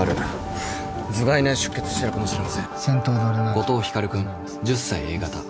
後藤光君１０歳Ａ型。